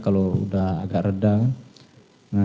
kalau udah agak reda kan